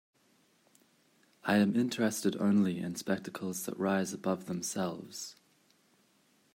I am interested only in spectacles that rise above themselves.